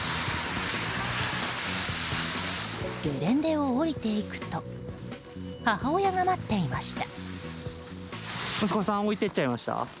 ゲレンデを下りていくと母親が待っていました。